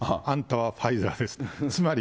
あんたはファイザーですと。